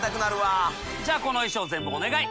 じゃこの衣装全部お願い！